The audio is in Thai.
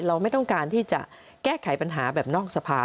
เราไม่ต้องการที่จะแก้ไขปัญหาแบบนอกสภา